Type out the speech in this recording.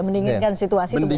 mendinginkan situasi itu tugas kita